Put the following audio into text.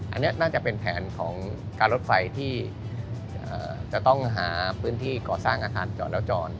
อันนี้น่าจะเป็นแผนของการรถไฟที่จะต้องหาพื้นที่ก่อสร้างอาคารจอดแล้วจร